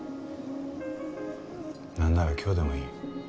なんなら今日でもいい。